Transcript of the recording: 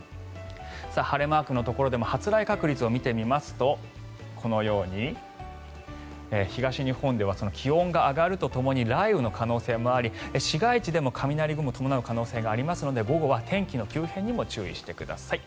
晴れマークのところでも発雷確率を見てみますとこのように東日本では気温が上がるとともに雷雨の可能性もあり、市街地でも雷雲を伴う可能性がありますので午後は天気の急変にも注意してください。